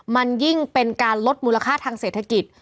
มันยิ่งเป็นการลดมูลค่าทางเศรษฐกิจ